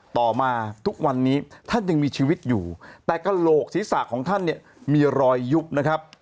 ต่อมาทุกวันนี้ท่านยังมีชีวิตอยู่แต่กระโหลกศีรษะของท่านเนี่ยมีรอยยุบนะครับ